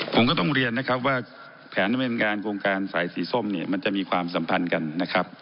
ผมก็ต้องเรียนนะครับว่าแผนดำเนินการโครงการสายสีส้มเนี่ยมันจะมีความสัมพันธ์กันนะครับ